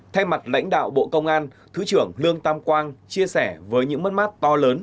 thay mặt lãnh đạo bộ công an thứ trưởng lương tam quang chia sẻ với những mất mát to lớn